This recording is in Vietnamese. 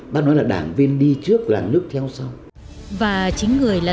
bác nói là đảng viên đi trước làng nước theo sau